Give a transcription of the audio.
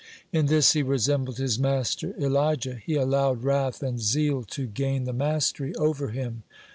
(4) In this he resembled his master Elijah; he allowed wrath and zeal to gain the mastery over him.